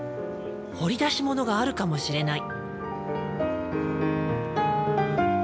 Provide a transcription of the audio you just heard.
掘り出しものがあるかもしれない。